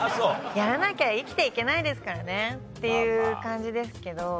やらなきゃ生きて行けないですからねっていう感じですけど。